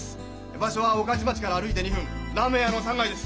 場所は御徒町から歩いて２分ラーメン屋の３階です。